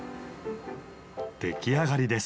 出来上がりです！